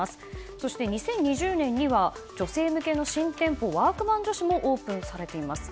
そして、２０２０年には女性向けの新店舗ワークマン女子もオープンされています。